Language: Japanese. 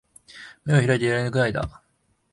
眼を開いていられぬくらいだ